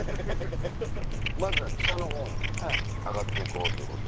まずは北のほうに上がって行こうということで。